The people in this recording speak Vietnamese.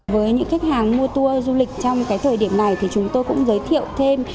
với những khách hàng mua tour du lịch trong cái thời điểm này thì chúng tôi cũng giới thiệu thêm